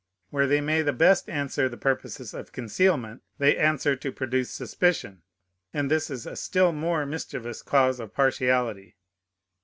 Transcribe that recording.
Where they may the best answer the purposes of concealment, they answer to produce suspicion, and this is a still more mischievous cause of partiality.